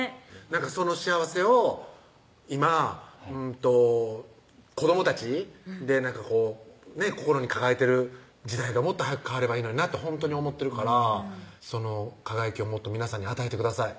その幸せを今子どもたちで心に抱えてる時代がもっと早く変わればいいのになとほんとに思ってるからその輝きをもっと皆さんに与えてください